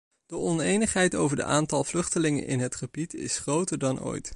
De onenigheid over de aantallen vluchtelingen in het gebied is groter dan ooit.